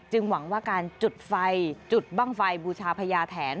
หวังว่าการจุดไฟจุดบ้างไฟบูชาพญาแถน